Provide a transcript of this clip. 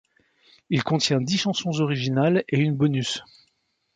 Il contient dix chansons originales et une bonus.